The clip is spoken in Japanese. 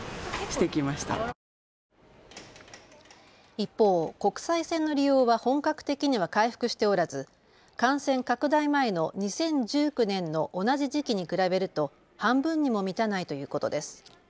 一方、国際線の利用は本格的には回復しておらず、感染拡大前の２０１９年の同じ時期に比べると半分にも満たないということです。